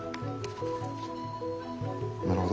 なるほど。